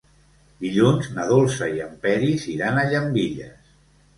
Dilluns na Dolça i en Peris iran a Llambilles.